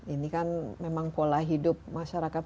ini kan memang pola hidup masyarakat